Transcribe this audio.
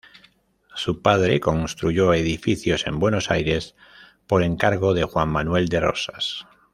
Su padre construyó edificios en Buenos Aires por encargo de Juan Manuel de Rosas.